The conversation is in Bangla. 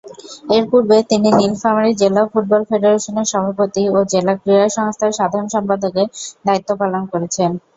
এরপূর্বে তিনি নীলফামারী জেলা ফুটবল ফেডারেশনের সভাপতি ও জেলা ক্রীড়া সংস্থার সাধারণ সম্পাদকের দায়িত্ব পালন করেছেন।